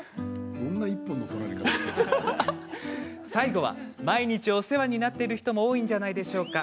最後は、毎日お世話になっている人も多いんじゃないでしょうか？